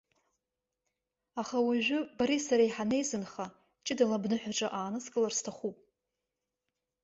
Аха уажәы, бареи сареи ҳанеизынха, ҷыдала бныҳәаҿа ааныскылар сҭахуп.